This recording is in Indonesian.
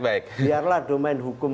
jadi biarlah domain hukum